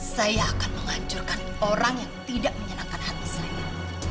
saya akan menghancurkan orang yang tidak menyenangkan hati saya